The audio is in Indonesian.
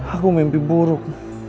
aku mimpi buruk